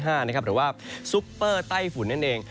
หรือว่าซุปเปอร์ไต้ฝุ่นนั่นเอง